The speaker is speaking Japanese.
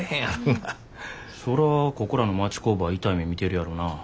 そらここらの町工場は痛い目見てるやろな。